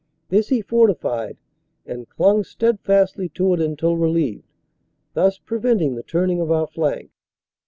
This he fortified and clung steadfastly to it until relieved, thus preventing the turning of our flank.